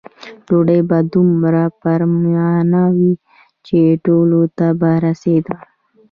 ډوډۍ به دومره پریمانه وه چې ټولو ته به رسېده.